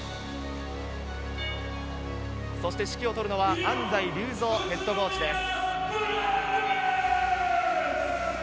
そして指揮を執るのは安齋竜三ヘッドコーチです。